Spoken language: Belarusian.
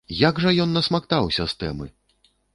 Як жа ён насмактаўся з тэмы!